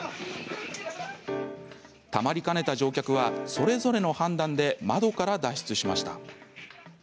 たまりかねた乗客はそれぞれの判断で窓から脱出しました。